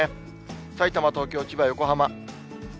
さいたま、東京、千葉、横浜。